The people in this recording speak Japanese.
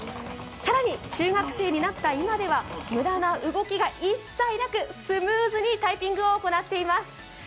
更に中学生になった今では無駄な動きが一切なくスムーズにタイピングを行っています。